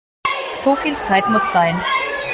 So viel Zeit muss sein!